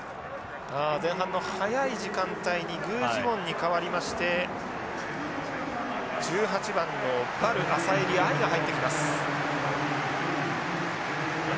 前半の早い時間帯にグジウォンに代わりまして１８番のヴァルアサエリ愛が入ってきます。